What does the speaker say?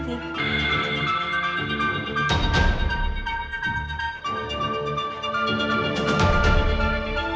kita akan belajar semacamu